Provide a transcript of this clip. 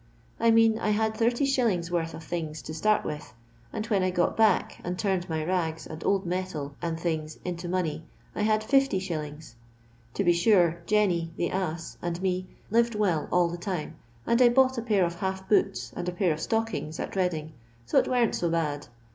I mean I had 80 shillings' worth of things to start with, and when I 'd got back, and turned my rags, and old metal, and things into money, I had 50<. To be sure Jenny (the ass) and me lived well all the time, and I bought a pair of half boots and a pair of stockings at Beading, so it weren't so bad.